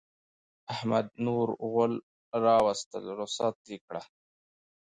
احمد نور غول راوستل؛ رخصت يې کړه.